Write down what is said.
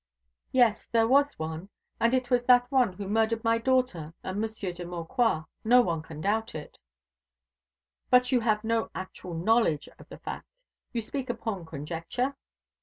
"Yes, there was one, and it was that one who murdered my daughter and Monsieur de Maucroix. No one can doubt it." "But you have no actual knowledge of the fact? You speak upon conjecture?"